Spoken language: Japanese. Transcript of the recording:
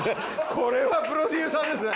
これはプロデューサーですね。